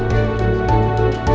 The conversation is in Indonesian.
saya antar ya